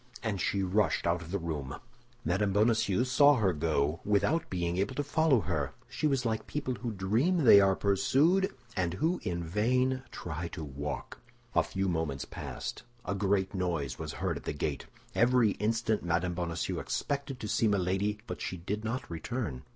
And she rushed out of the room. Mme. Bonacieux saw her go without being able to follow her; she was like people who dream they are pursued, and who in vain try to walk. A few moments passed; a great noise was heard at the gate. Every instant Mme. Bonacieux expected to see Milady, but she did not return.